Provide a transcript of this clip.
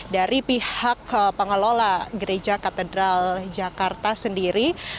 dari pihak pengelola gereja katedral jakarta sendiri